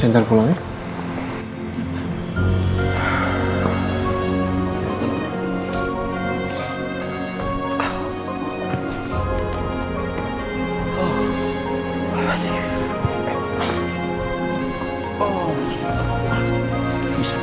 depan ruangan saya satu jam yang lalu